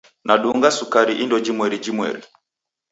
Nadunga sukari indo jimweri jimweri.